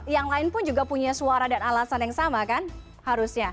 yang lain pun juga punya suara dan alasan yang sama kan harusnya